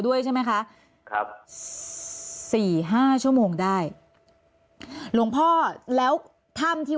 ด้วยใช่ไหมคะครับสี่ห้าชั่วโมงได้หลวงพ่อแล้วถ้ำที่